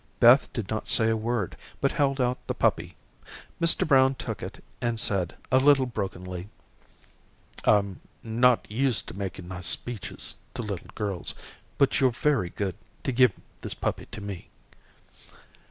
Beth did not say a word, but held out the puppy. Mr. Brown took it, and said a little brokenly: "I'm not used to making nice speeches to little girls, but you're very good to give this puppy to me."